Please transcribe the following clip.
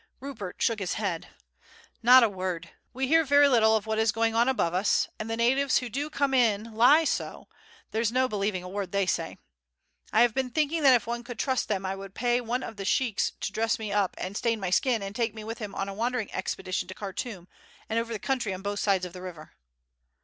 Rupert shook his head. "Not a word. We hear very little of what is going on above us, and the natives who do come in lie so, there's no believing a word they say. I have been thinking that if one could trust them I would pay one of the sheiks to dress me up and stain my skin and take me with him on a wandering expedition to Khartoum and over the country on both sides of the river."